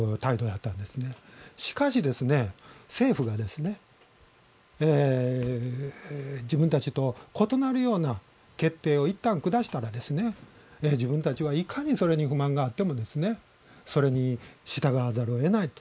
しかし政府が自分たちと異なるような決定を一旦下したら自分たちはいかにそれに不満があってもそれに従わざるをえないと。